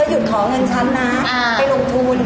ถ้าหยุดขอเงินฉันน้องบูรณ์